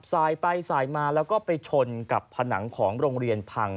สายไปสายมาแล้วก็ไปชนกับผนังของโรงเรียนพัง